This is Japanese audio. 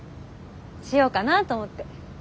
しようかなと思って。